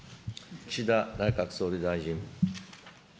岸田内閣総理大臣。